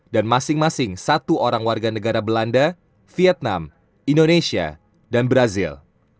dan masing masing satu orang warga negara belanda vietnam indonesia dan brazil